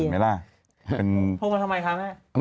ทำไมล่ะโทรมาทำไมครับแม่